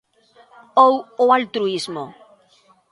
Ou o altruísmo?